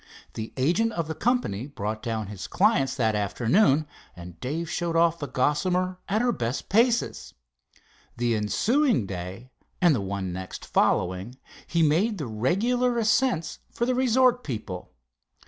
The agent of the company brought down his clients that afternoon, and Dave showed off the Gossamer at her best paces. The ensuing day and the one next following he made the regular ascents for the resort people.